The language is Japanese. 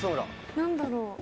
何だろう？